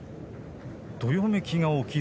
どよめきが起きる。